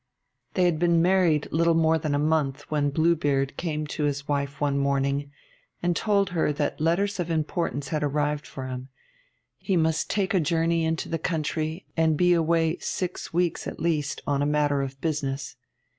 They had been married little more than a month when Blue Beard came to his wife one morning, and told her that letters of importance had arrived for him: he must take a journey into the country and be away six weeks at least on a matter of business.